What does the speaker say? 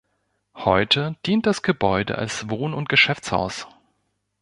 Heute dient das Gebäude als Wohn- und Geschäftshaus.